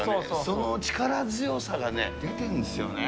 その力強さがね、出てるんですよね。